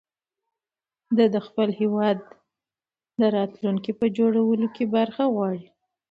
ده د خپل هېواد د راتلونکي په جوړولو کې برخه غواړي.